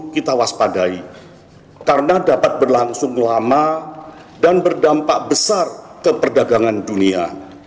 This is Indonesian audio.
kita waspadai karena dapat berlangsung lama dan berdampak besar ke perdagangan dunia